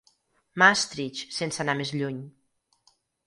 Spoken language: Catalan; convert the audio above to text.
"Maastricht", sense anar més lluny.